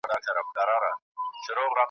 په دربار کي د زمري پاچا مېلمه سو .